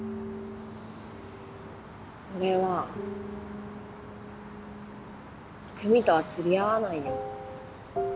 俺は久美とは釣り合わないよ。